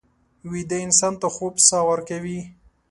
ویده انسان ته خوب ساه ورکوي